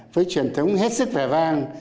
với truyền thống hết sức vẻ vang